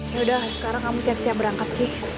yaudah sekarang kamu siap siap berangkat ki